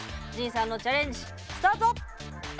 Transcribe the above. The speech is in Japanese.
ＪＩＮさんのチャレンジ、スタート。